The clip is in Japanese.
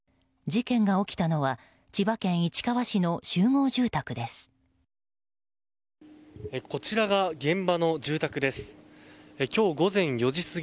事件が起きたのは千葉県市川市の集合住宅です。